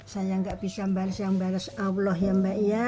saya nggak bisa bales yang bales allah ya mbak ya